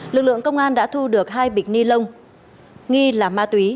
lực lượng công an đã thu được hai bịch ni lông nghi là ma túy